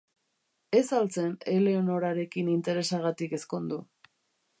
Ez al zen Eleonorarekin interesagatik ezkondu?